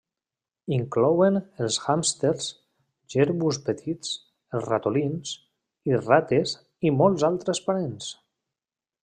Inclouen els hàmsters, jerbus petits, els ratolins i rates i molts altres parents.